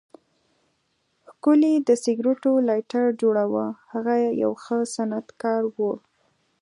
ښکلی د سګریټو لایټر جوړاوه، هغه یو ښه صنعتکار و.